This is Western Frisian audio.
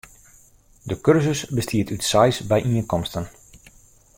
De kursus bestiet út seis byienkomsten.